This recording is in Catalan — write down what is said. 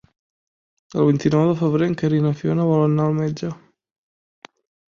El vint-i-nou de febrer en Quer i na Fiona volen anar al metge.